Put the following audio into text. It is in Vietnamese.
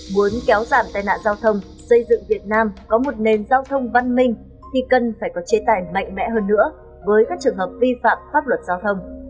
muốn kéo giảm tai nạn giao thông xây dựng việt nam có một nền giao thông văn minh thì cần phải có chế tài mạnh mẽ hơn nữa với các trường hợp vi phạm pháp luật giao thông